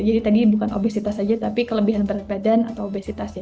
jadi tadi bukan obesitas saja tapi kelebihan berat badan atau obesitas ya